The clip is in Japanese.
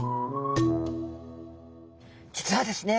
実はですね